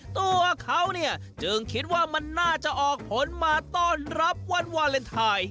ตัวเขาเนี่ยจึงคิดว่ามันน่าจะออกผลมาต้อนรับวันวาเลนไทย